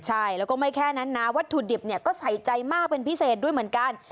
ใช่แล้วก็ไม่แค่นั้นนะวัตถุดิบเนี่ยก็ใส่ใจมากเป็นพิเศษด้วยเหมือนกัน